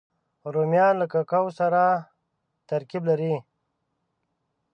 رومیان له کوکو سره ترکیب لري